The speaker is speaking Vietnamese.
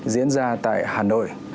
diễn ra tại hà nội